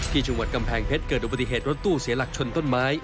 ที่จังหวัดกำแพงเพชรเกิดอุบัติเหตุรถตู้เสียหลักชนต้นไม้